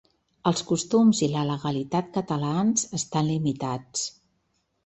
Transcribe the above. Els costums i la legalitat catalans estan limitats.